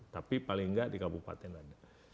tapi paling nggak di kabupaten ada